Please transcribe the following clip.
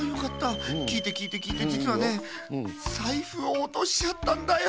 きいてきいてきいてじつはねさいふをおとしちゃったんだよ。